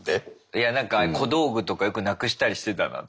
いやなんか小道具とかよくなくしたりしてたなと思って。